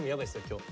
今日。